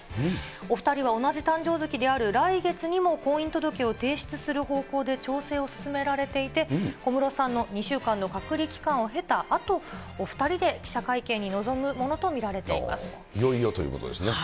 お２人は同じ誕生月である来月にも婚姻届を提出する方向で調整を進められていて、小室さんの２週間の隔離期間を経たあと、お２人で記者会見に臨むいよいよということですね。